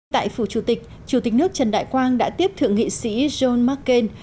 tại phủ chủ tịch chủ tịch nước trần đại quang đã tiếp thượng nghị sĩ john mccain